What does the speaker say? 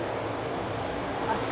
「熱い？」